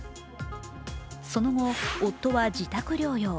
その後、夫は自宅療養。